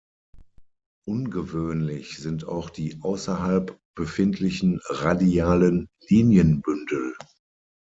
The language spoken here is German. Ungewöhnlich sind auch die außerhalb befindlichen radialen Linienbündel.